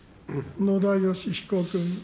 野田佳彦君。